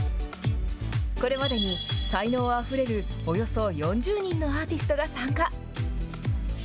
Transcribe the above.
これまでに才能あふれるおよそ４０人のアーティストが参加。